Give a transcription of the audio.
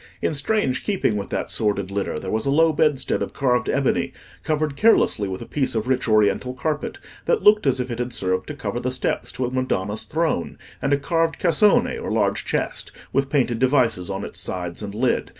In strange keeping with that sordid litter, there was a low bedstead of carved ebony, covered carelessly with a piece of rich oriental carpet, that looked as if it had served to cover the steps to a Madonna's throne; and a carved cassone, or large chest, with painted devices on its sides and lid.